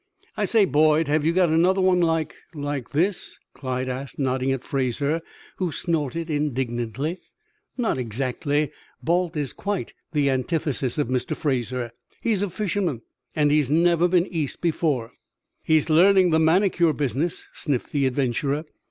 "I say, Boyd, have you got another one like like this?" Clyde asked, nodding at Fraser, who snorted indignantly. "Not exactly. Balt is quite the antithesis of Mr. Fraser. He is a fisherman, and he has never been East before." "He's learning the manicure business," sniffed the adventurer.